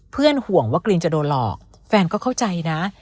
ห่วงว่ากรีนจะโดนหลอกแฟนก็เข้าใจนะ